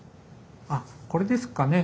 あっこれですかね